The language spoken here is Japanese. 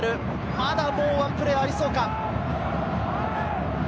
まだワンプレーありそうか？